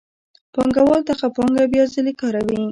پانګوال دغه پانګه بیا ځلي کاروي